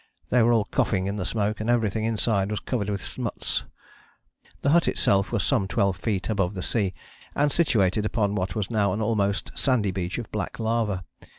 They were all coughing in the smoke, and everything inside was covered with smuts." The hut itself was some twelve feet above the sea, and situated upon what was now an almost sandy beach of black lava.